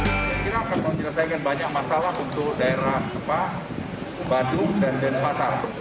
kita akan menjelaskan banyak masalah untuk daerah tepah badu dan denpasar